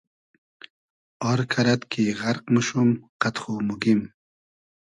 آر کئرئد کی غئرق موشوم قئد خو موگیم